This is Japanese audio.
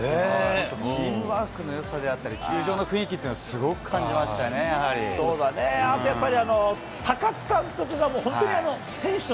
チームワークのよさであったり、球場の雰囲気というのは、すごく感じましたね、やはり。